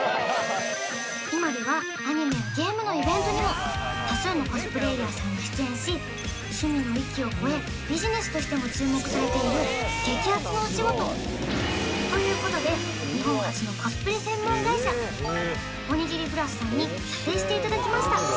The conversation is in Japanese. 今ではアニメやゲームのイベントにも多数のコスプレイヤーさんが出演し趣味の域を超えビジネスとしても注目されている激アツのお仕事ということで日本初のコスプレ専門会社ＯＮＩＧＩＲＩ＋さんに査定していただきました